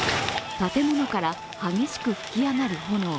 建物から激しく噴き上がる炎。